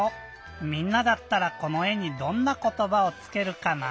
みんなだったらこのえにどんなことばをつけるかな？